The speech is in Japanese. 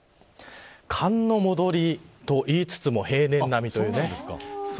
寒の戻りと言いつつも平年並みというね。